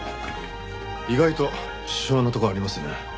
意外と殊勝なとこありますね。